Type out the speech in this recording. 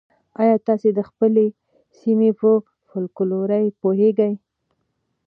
ایا تاسي د خپلې سیمې په فولکلور پوهېږئ؟